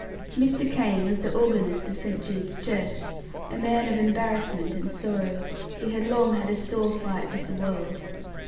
Mr. Kane was the organist of St. Jude's church, a man of embarrassment and sorrow, who had long had a sore fight with the world.